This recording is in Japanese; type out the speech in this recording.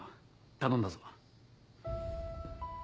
頼んだぞ。